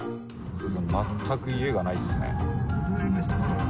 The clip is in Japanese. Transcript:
全く家がないですね。